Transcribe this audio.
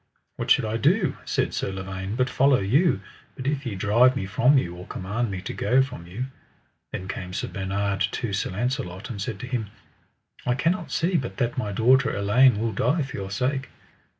What should I do, said Sir Lavaine, but follow you, but if ye drive me from you, or command me to go from you. Then came Sir Bernard to Sir Launcelot and said to him: I cannot see but that my daughter Elaine will die for your sake.